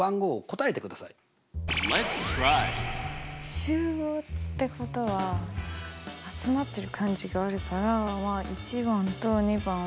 集合ってことは集まってる感じがあるからまあ①番と②番は。